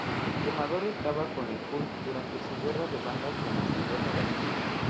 Quemador estaba con el Hood durante su guerra de bandas con Señor Negativo.